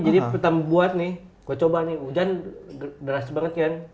jadi pertama buat nih gue coba nih hujan deras banget kan